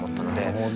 なるほど。